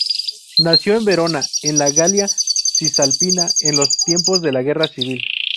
Nació en Verona, en la Galia Cisalpina, en los tiempos de la Guerra Civil.